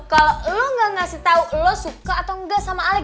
kalau lo gak ngasih tau lo suka atau enggak sama alex